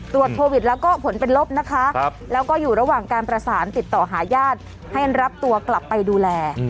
ตรวจโควิดแล้วก็ผลเป็นลบนะคะแล้วก็อยู่ระหว่างการประสานติดต่อหาญาติให้รับตัวกลับไปดูแล